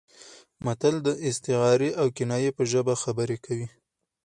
متل د استعارې او کنایې په ژبه خبرې کوي